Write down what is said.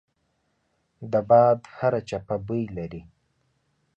د باد هره چپه بوی لري